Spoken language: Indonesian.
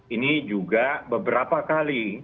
ini juga beberapa kali